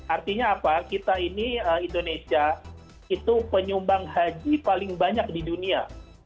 artinya apa kita ini indonesia itu penyumbang haji paling banyak di dunia